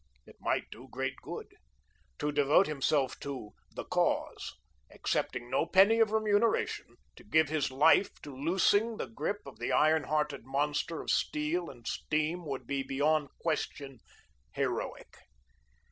It might do great good. To devote himself to "the Cause," accepting no penny of remuneration; to give his life to loosing the grip of the iron hearted monster of steel and steam would be beyond question heroic.